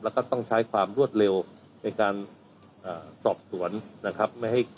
แล้วก็ต้องใช้ความรวดเร็วในการสอบสวนนะครับ